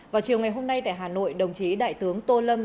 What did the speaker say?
vào chiều ngày hôm nay tại hà nội đồng chí đại tướng tô lâm